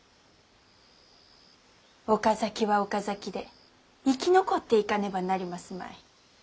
岡崎は岡崎で生き残っていかねばなりますまい。